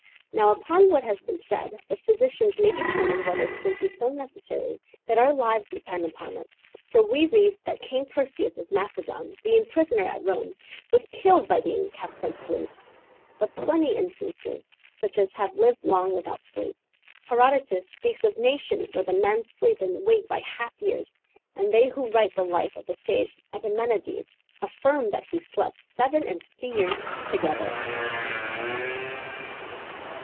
Now, upon what has been said, the physicians may determine whether sleep be so necessary that our lives depend upon it: for we read that King Perseus of Macedon, being prisoner at Rome, was killed by being kept from sleep; but Pliny instances such as have lived long without sleep. Herodotus speaks of nations where the men sleep and wake by half years, and they who write the life of the sage Epimenides affirm that he slept seven and fifty years together.